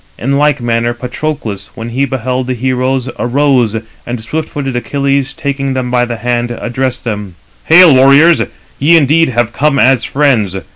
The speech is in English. In like manner Patroclus, when he beheld the heroes, arose, and swift footed Achilles taking them by the hand, addressed them: "Hail, warriors, ye indeed have come as friends.